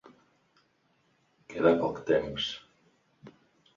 Queda poc temps.